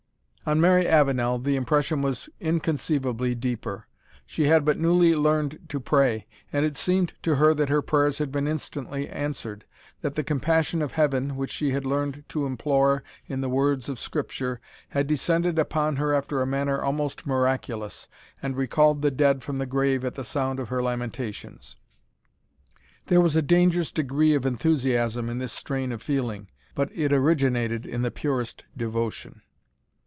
On Mary Avenel the impression was inconceivably deeper. She had but newly learned to pray, and it seemed to her that her prayers had been instantly answered that the compassion of Heaven, which she had learned to implore in the words of Scripture, had descended upon her after a manner almost miraculous, and recalled the dead from the grave at the sound of her lamentations. There was a dangerous degree of enthusiasm in this strain of feeling, but it originated in the purest devotion.